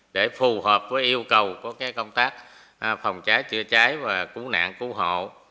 để phù hợp với yêu cầu của công tác phòng cháy chữa cháy và cứu nạn cứu hộ